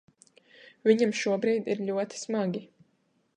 Viņam šobrīd ir ļoti smagi.